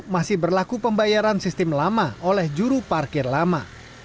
masih berlaku pembayaran sistem lama oleh juru parkir lama